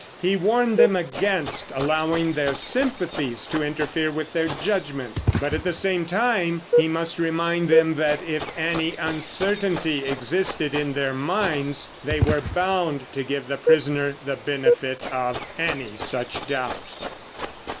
He warned them against allowing their sympathies to interfere with their judgment, but at the same time he must remind them that if any uncertainty existed in their minds, they were bound to give the prisoner the benefit of any such doubt.